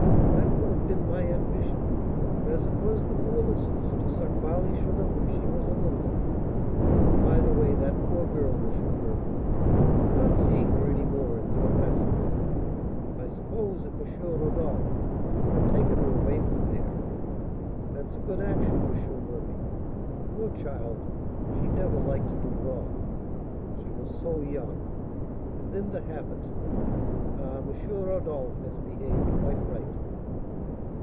_ that would have been my ambition, as it was the Goualeuse's to suck barley sugar when she was a little 'un. By the way, that poor girl, M. Murphy, not seeing her any more at the ogress's, I supposed that M. Rodolph had taken her away from there. That's a good action, M. Murphy. Poor child! she never liked to do wrong, she was so young! And then the habit! Ah, M. Rodolph has behaved quite right!"